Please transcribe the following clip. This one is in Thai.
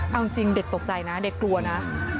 เอาจริงเด็กตกใจนะเด็กกลัวนะ